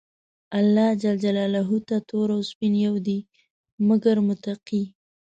الله ج ته تور او سپين يو دي، مګر متقي.